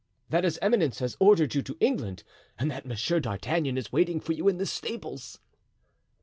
"That his eminence has ordered you to England and that Monsieur d'Artagnan is waiting for you in the stables."